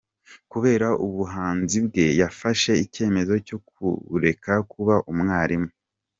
Kubera ubuhanzi bwe, yafashe icyemezo cyo kureka kuba umwarimu.